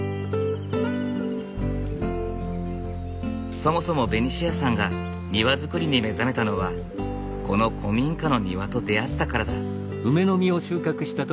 そもそもベニシアさんが庭造りに目覚めたのはこの古民家の庭と出会ったからだ。